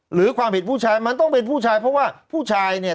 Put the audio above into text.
หรือความผิดผู้ชายมันต้องเป็นผู้ชายเพราะว่าผู้ชายเนี่ย